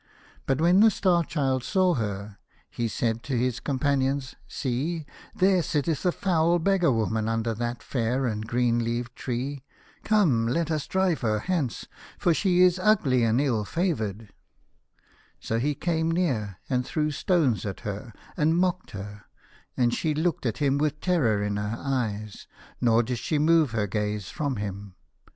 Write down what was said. But when the Star Child saw her, he said US The Star Child. to his companions, " See ! There sitteth a foul beggar woman under that fair and green leaved tree. Come, let us drive her hence, for she is ugly and ill favoured." So he came near and threw stones at her, and mocked her, and she looked at him with terror in her eyes, nor did she move her gaze from him.